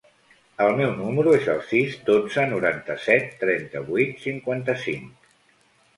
El meu número es el sis, dotze, noranta-set, trenta-vuit, cinquanta-cinc.